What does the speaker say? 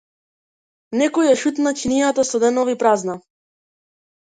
Некој ја шутна чинијата со денови празна.